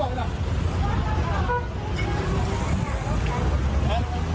ปล่าด